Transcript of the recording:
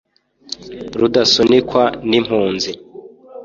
rudasunikwa n'impunzi,